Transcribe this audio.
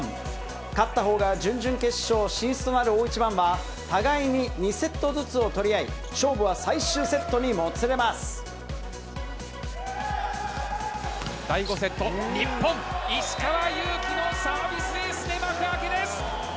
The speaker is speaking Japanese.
勝ったほうが準々決勝進出となる大一番は、互いに２セットずつを取り合い、第５セット、日本、石川祐希のサービスエースで幕開けです。